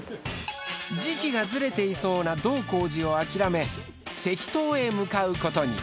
時季がずれていそうな道光寺を諦め石塔へ向かうことに。